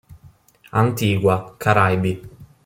Antigua, Caraibi.